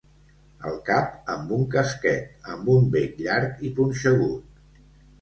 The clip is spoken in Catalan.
El cap amb un casquet amb un bec llarg i punxegut.